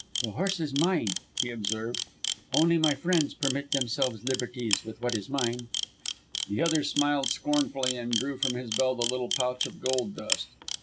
"My horse is mine," he observed. "Only my friends permit themselves liberties with what is mine." The other smiled scornfully and drew from his belt a little pouch of gold dust.